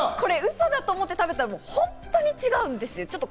嘘だと思って食べたら、本当に全然違うんですよ。